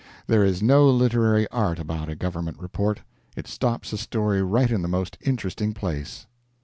There is no literary art about a government report. It stops a story right in the most interesting place.